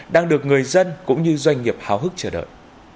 đang được người dân cũng như doanh nghiệp hào hức chờ đợi